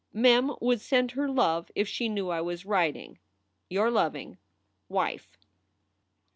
Mem would send her love if she knew I was writing. Your loving WIFE.